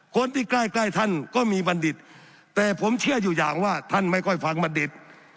คนที่ใกล้ใกล้ท่านก็มีบัณฑิตแต่ผมเชื่ออยู่อย่างว่าท่านไม่ค่อยฟังบัณฑิต